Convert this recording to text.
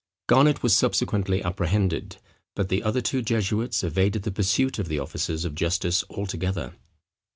Garnet was subsequently apprehended; but the other two jesuits evaded the pursuit of the officers of justice altogether.